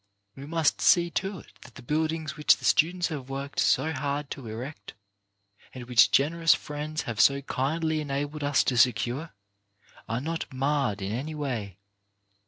We must see to it that the buildings which the students have worked so hard to erect, and which generous friends have so kindly en abled us to secure, are not marred in any way.